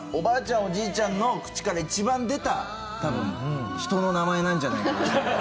おじいちゃんの口から一番出た人の名前なんじゃないかな。